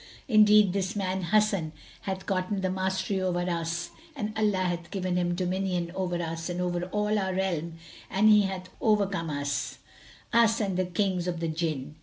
Indeed this man Hasan hath gotten the mastery over us and Allah hath given him dominion over us and over all our realm and he hath overcome us, us and the Kings of the Jinn."